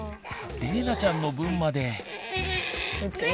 れいなちゃんの分まで。